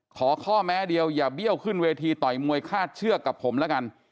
ขอข้อแม้เดียวอย่าเบี้ยวขึ้นเวทีต่อยมวยคาดเชือกกับผมแล้วกัน